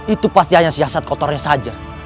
itu pasti hanya siasat kotornya saja